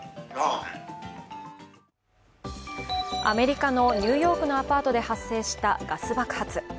アメリカのニューヨークのアパートで発生したガス爆発。